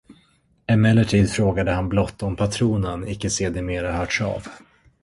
Emellertid frågade han blott om patronen icke sedermera hörts av.